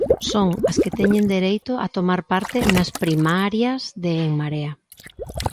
Son as que teñen dereito a tomar parte nas primarias de En Marea.